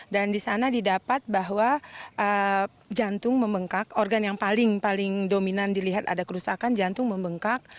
dan di sana didapat bahwa jantung membengkak organ yang paling paling dominan dilihat ada kerusakan jantung membengkak